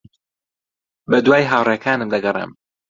بەدوای ھاوڕێکانم دەگەڕێم.